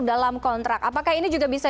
dalam kontrak apakah ini juga bisa